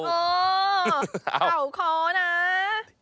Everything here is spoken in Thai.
อ๋อเข่าข้อนะ